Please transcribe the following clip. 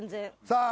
さあ？